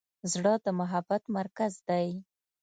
زړه د محبت مرکز دی.